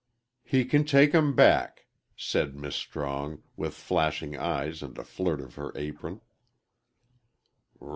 "He can take 'em back," said Miss Strong, with flashing eyes and a flirt of her apron.